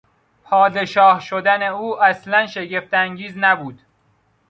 پادشاه شدن او اصلا شگفت انگیز نبود.